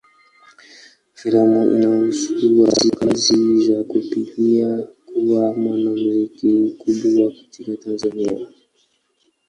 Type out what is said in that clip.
Filamu inahusu harakati za kupigania kuwa mwanamuziki mkubwa katika Tanzania.